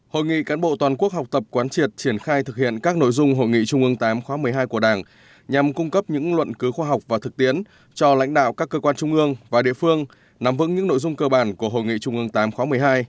hội nghị cán bộ toàn quốc học tập quán triệt triển khai thực hiện các nội dung hội nghị trung ương viii khóa một mươi hai của đảng nhằm cung cấp những luận cứu khoa học và thực tiễn cho lãnh đạo các cơ quan trung ương và địa phương nắm vững những nội dung cơ bản của hội nghị trung ương viii khóa một mươi hai